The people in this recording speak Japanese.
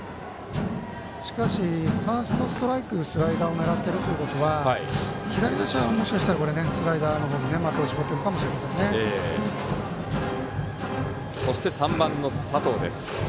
しかし、ファーストストライクスライダーを狙ってるということは左打者はもしかしたらスライダーでバッター、３番の佐藤です。